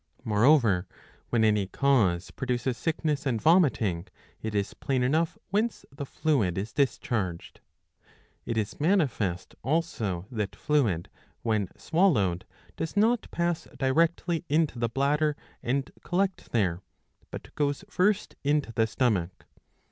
Moreover, when any cause produces sickness and vomiting, it is plain enough whence the fluid is discharged. It is manifest also that fluid, when swallowed, does not pass directly into the bladder 664b. iii. 3. 65 and collect there, but goes first into the stomach.